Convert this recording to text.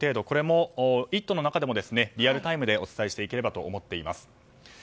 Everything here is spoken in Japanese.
これも「イット！」の中でもリアルタイムでお伝えしていければと思っています。